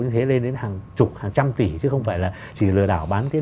thấy nổi cái